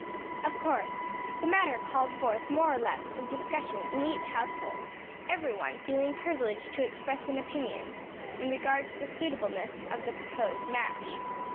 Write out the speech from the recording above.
Of course the matter called forth more or less of discussion in each household, every one feeling privileged to express an opinion in regard to the suitableness of the proposed match.